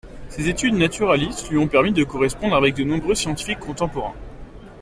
Ses études naturalistes lui ont permis de correspondre avec de nombreux scientifiques contemporains.